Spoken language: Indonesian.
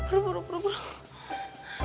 aduh aduh aduh aduh